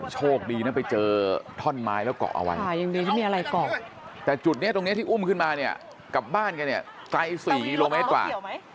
โชคดีนะไปเจอท่อนไม้แล้วก่อเอาไว้แต่จุดนี้ที่อุ้มขึ้นมาเนี่ยกลับบ้านกันเนี่ยไกล๔กิโลเมตรกว่า